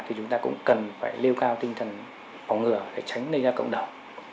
thì chúng ta cũng cần phải lưu cao tinh thần phòng ngừa để tránh lây ra cộng đồng